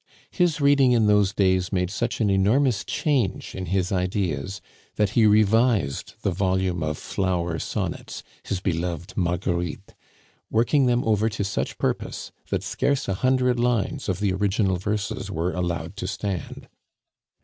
His reading in those days made such an enormous change in his ideas, that he revised the volume of flower sonnets, his beloved Marguerites, working them over to such purpose, that scarce a hundred lines of the original verses were allowed to stand.